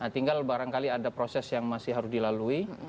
tinggal barangkali ada proses yang masih harus dilalui